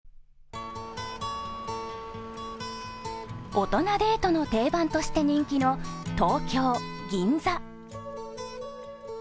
大人デートの定番として人気の東京・銀座。